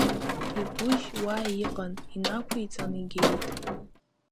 Игәыжь уа иҟан, инақәиҵан игеит.